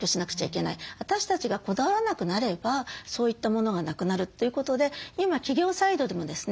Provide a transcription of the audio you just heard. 私たちがこだわらなくなればそういったものがなくなるということで今企業サイドでもですね